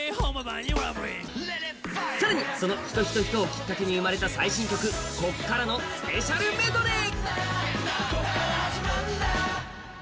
更にその「人人人」をきっかけに生まれた最新曲「こっから」のスペシャルメドレー。